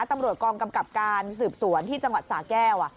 ตำรวจกรรมกรรมกรรมการสืบควรที่จังหวัดสาแก้ว